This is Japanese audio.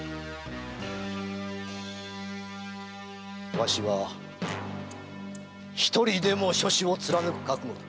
わしは一人でも初志を貫く覚悟だ。